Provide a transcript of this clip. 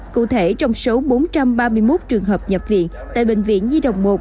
cụ thể trong số bốn trăm ba mươi một trường hợp nhập viện tại bệnh viện nhi đồng một